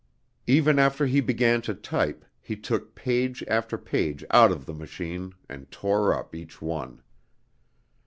Even after he began to type, he took page after page out of the machine and tore up each one.